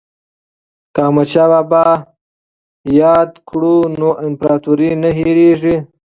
که احمد شاه بابا یاد کړو نو امپراتوري نه هیریږي.